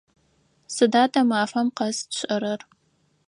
Сыда тэ мафэ къэс тшӏэрэр?